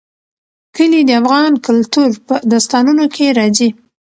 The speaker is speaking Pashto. کلي د افغان کلتور په داستانونو کې راځي.